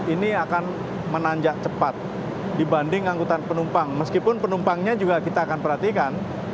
ini akan menanjak cepat dibanding angkutan penumpang meskipun penumpangnya juga kita akan perhatikan